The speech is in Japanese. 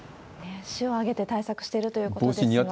市を挙げて対策をしてるということですが。